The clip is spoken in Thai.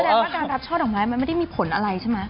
ว่าการรับช่อดอกไม้มันไม่ได้มีผลอะไรใช่ไหม